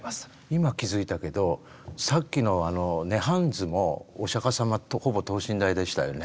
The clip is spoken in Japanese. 今気付いたけどさっきのあの「涅槃図」もお釈迦様とほぼ等身大でしたよね。